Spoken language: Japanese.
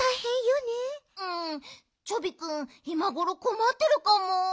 うんチョビくんいまごろこまってるかも。